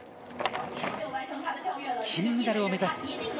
金メダルを目指す。